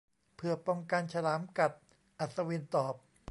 'เพื่อป้องกันฉลามกัด' อัศวินตอบ